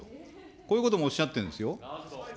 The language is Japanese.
こういうこともおっしゃってるんですよ。